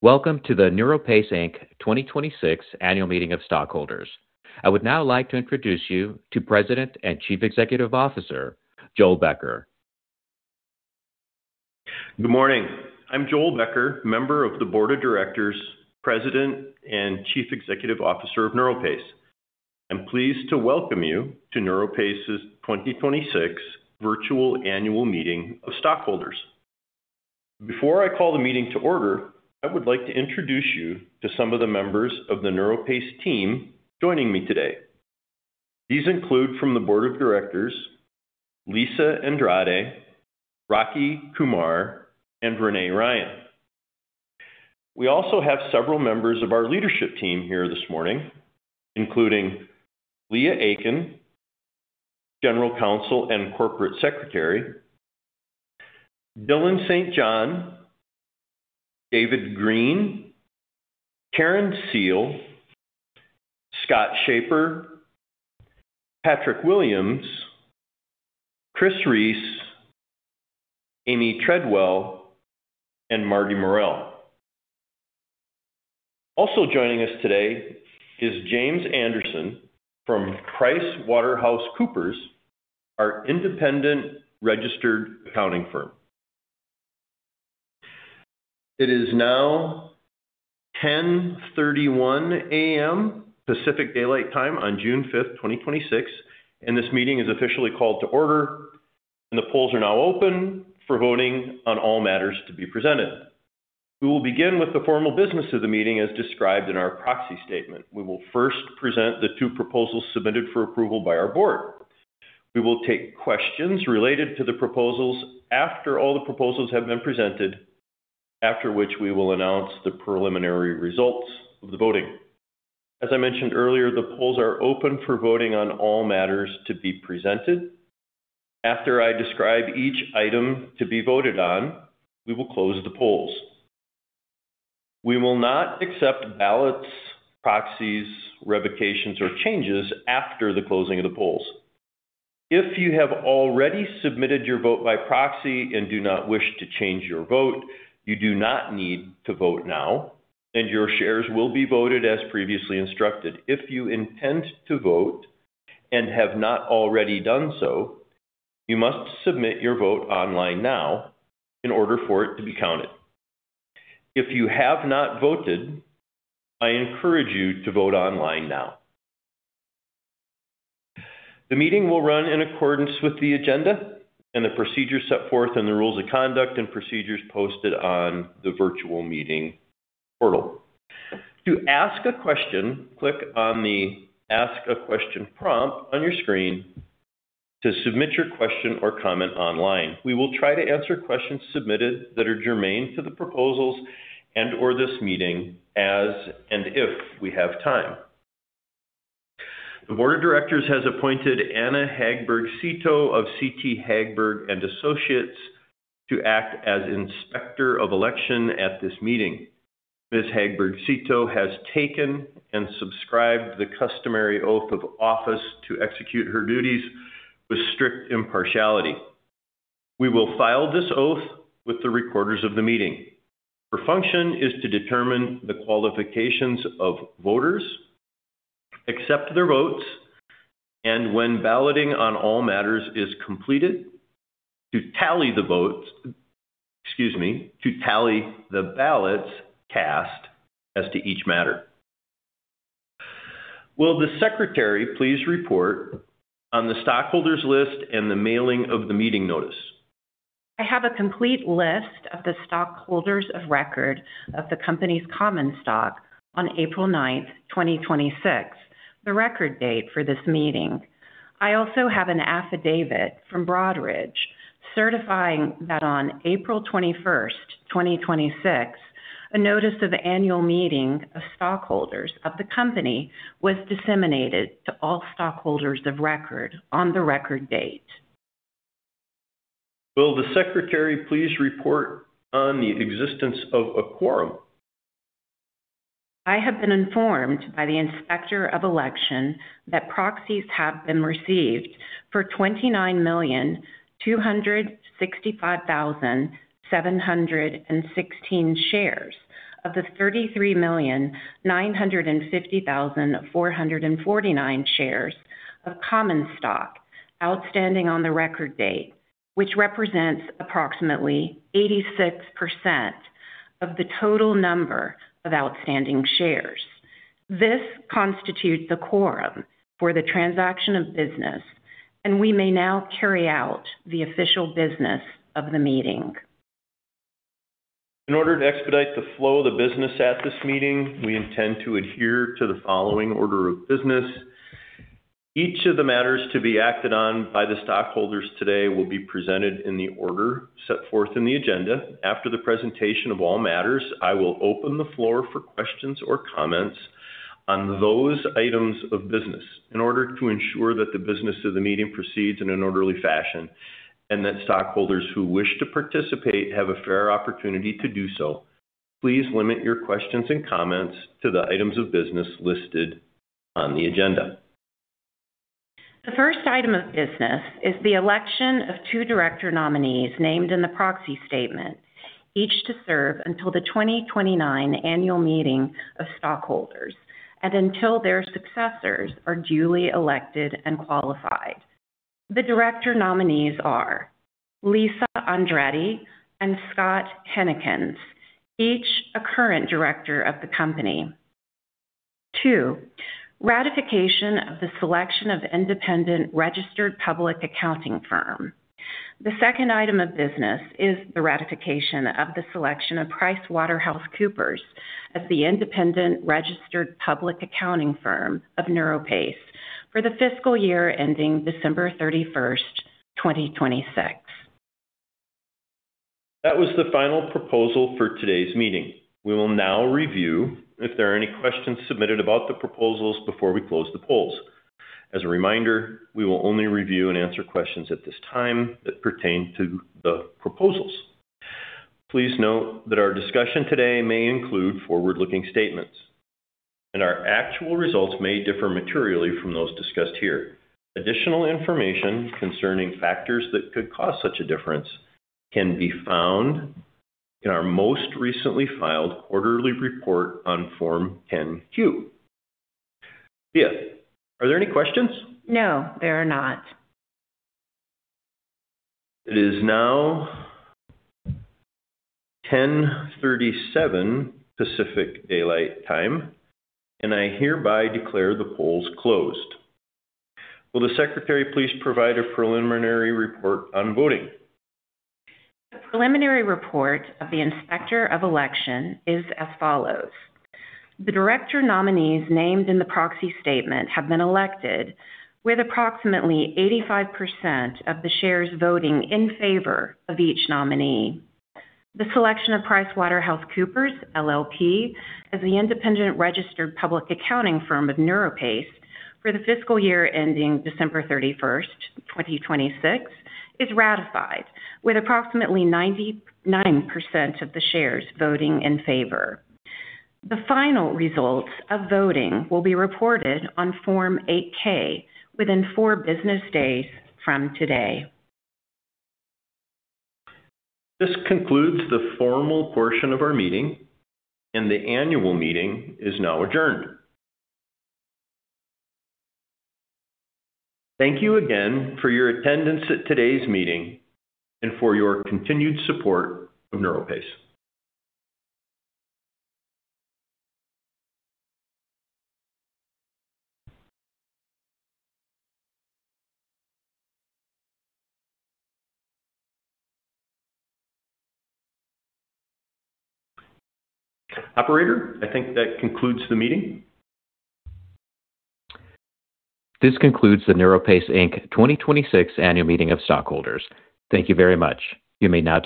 Welcome to the NeuroPace Inc. 2026 Annual Meeting of Stockholders. I would now like to introduce you to President and Chief Executive Officer, Joel Becker. Good morning. I'm Joel Becker, member of the Board of Directors, President and Chief Executive Officer of NeuroPace. I'm pleased to welcome you to NeuroPace's 2026 Virtual Annual Meeting of Stockholders. Before I call the meeting to order, I would like to introduce you to some of the members of the NeuroPace team joining me today. These include from the Board of Directors, Lisa Andrade, Rakhi Kumar, and Renee Ryan. We also have several members of our leadership team here this morning, including Leah Akin, General Counsel and Corporate Secretary, Dylan St. John, David Greene, Cairn Seale, Scott Shaper, Patrick Williams, Chris Reese, Amy Treadwell, and Marty Morrell. Also joining us today is James Anderson from PricewaterhouseCoopers, our independent registered accounting firm. It is now 10:31 A.M. Pacific Daylight Time on June 5th, 2026, and this meeting is officially called to order, and the polls are now open for voting on all matters to be presented. We will begin with the formal business of the meeting as described in our proxy statement. We will first present the two proposals submitted for approval by our board. We will take questions related to the proposals after all the proposals have been presented, after which we will announce the preliminary results of the voting. As I mentioned earlier, the polls are open for voting on all matters to be presented. After I describe each item to be voted on, we will close the polls. We will not accept ballots, proxies, revocations, or changes after the closing of the polls. If you have already submitted your vote by proxy and do not wish to change your vote, you do not need to vote now, and your shares will be voted as previously instructed. If you intend to vote and have not already done so, you must submit your vote online now in order for it to be counted. If you have not voted, I encourage you to vote online now. The meeting will run in accordance with the agenda and the procedures set forth in the rules of conduct and procedures posted on the virtual meeting portal. To ask a question, click on the Ask a Question prompt on your screen to submit your question or comment online. We will try to answer questions submitted that are germane to the proposals and/or this meeting as and if we have time. The board of directors has appointed Anna Hagberg-Szeto of CT Hagberg & Associates to act as Inspector of Election at this meeting. Ms. Hagberg-Szeto has taken and subscribed the customary oath of office to execute her duties with strict impartiality. We will file this oath with the recorders of the meeting. Her function is to determine the qualifications of voters, accept their votes, and when balloting on all matters is completed, to tally the ballots cast as to each matter. Will the secretary please report on the stockholders list and the mailing of the meeting notice? I have a complete list of the stockholders of record of the company's common stock on April 9th, 2026, the record date for this meeting. I also have an affidavit from Broadridge certifying that on April 21st, 2026, a notice of the annual meeting of stockholders of the company was disseminated to all stockholders of record on the record date. Will the secretary please report on the existence of a quorum? I have been informed by the Inspector of Election that proxies have been received for 29,265,716 shares of the 33,950,449 shares of common stock outstanding on the record date, which represents approximately 86% of the total number of outstanding shares. This constitutes a quorum for the transaction of business, and we may now carry out the official business of the meeting. In order to expedite the flow of the business at this meeting, we intend to adhere to the following order of business. Each of the matters to be acted on by the stockholders today will be presented in the order set forth in the agenda. After the presentation of all matters, I will open the floor for questions or comments on those items of business. In order to ensure that the business of the meeting proceeds in an orderly fashion and that stockholders who wish to participate have a fair opportunity to do so, please limit your questions and comments to the items of business listed on the agenda. The first item of business is the election of two director nominees named in the proxy statement, each to serve until the 2029 annual meeting of stockholders and until their successors are duly elected and qualified. The director nominees are Lisa Andrade and Scott Huennekens, each a current director of the company. Two, ratification of the selection of independent registered public accounting firm. The second item of business is the ratification of the selection of PricewaterhouseCoopers as the independent registered public accounting firm of NeuroPace for the fiscal year ending December 31st, 2026. That was the final proposal for today's meeting. We will now review if there are any questions submitted about the proposals before we close the polls. As a reminder, we will only review and answer questions at this time that pertain to the proposals. Please note that our discussion today may include forward-looking statements, and our actual results may differ materially from those discussed here. Additional information concerning factors that could cause such a difference can be found in our most recently filed quarterly report on Form 10-Q. Tia, are there any questions? No, there are not. It is now 10:37 Pacific Daylight Time, and I hereby declare the polls closed. Will the secretary please provide a preliminary report on voting? The preliminary report of the Inspector of Election is as follows. The director nominees named in the proxy statement have been elected with approximately 85% of the shares voting in favor of each nominee. The selection of PricewaterhouseCoopers, LLP as the independent registered public accounting firm of NeuroPace for the fiscal year ending December 31st, 2026, is ratified with approximately 99% of the shares voting in favor. The final results of voting will be reported on Form 8-K within four business days from today. This concludes the formal portion of our meeting, and the annual meeting is now adjourned. Thank you again for your attendance at today's meeting and for your continued support of NeuroPace. Operator, I think that concludes the meeting. This concludes the NeuroPace, Inc. 2026 Annual Meeting of Stockholders. Thank you very much. You may now disconnect.